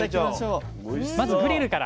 まずグリルから。